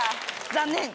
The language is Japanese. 残念！